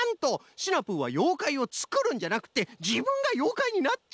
シナプーはようかいをつくるんじゃなくてじぶんがようかいになっちゃうんか！